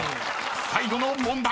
［最後の問題］